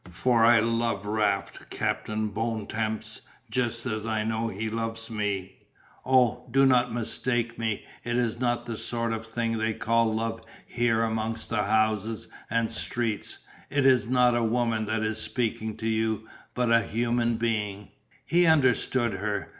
For I love Raft, Captain Bontemps, just as I know he loves me. Oh, do not mistake me, it is not the sort of thing they call love here amongst houses and streets, it is not a woman that is speaking to you but a human being." He understood her.